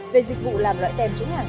về dịch vụ làm loại tem chống giả này